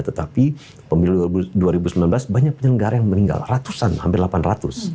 tetapi pemilu dua ribu sembilan belas banyak penyelenggara yang meninggal ratusan hampir delapan ratus